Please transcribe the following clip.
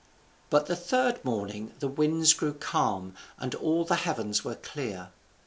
But the third morning the winds grew calm and all the heavens were clear.